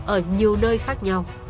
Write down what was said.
ở nhiều nơi khác nhau